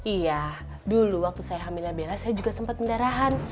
iya dulu waktu saya hamil saya juga sempat pendarahan